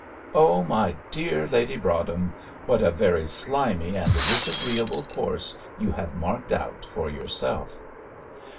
Oh, my dear Lady Broadhem, what a very slimy and disagreeable course you have marked out for yourself!